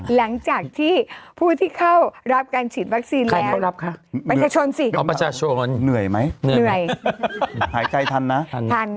หลังจากที่ผู้ที่เข้ารับการฉีดวัคซีนแล้วประชาชนสิเนื่อยไหมหายใจทันนะทัน